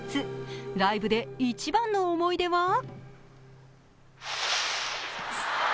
ライブで一番の思い出は？